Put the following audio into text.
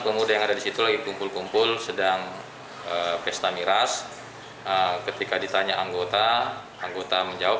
pemuda yang ada disitu lagi kumpul kumpul sedang pesta miras ketika ditanya anggota anggota menjawab